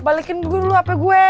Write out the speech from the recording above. balikin dulu hape gue